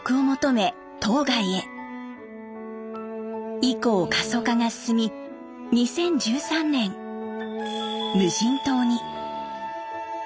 以降過疎化が進み２０１３年無人島に。